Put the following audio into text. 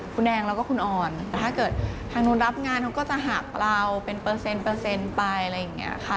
คุณแนงแล้วก็คุณอ่อนถ้าเกิดทางโน้นรับงานเขาก็จะหักเราเป็นเปอร์เซ็นต์เปอร์เซ็นต์ไปอะไรอย่างเงี้ยค่ะ